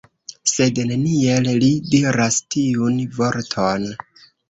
Sed neniel li diras tiun vorton!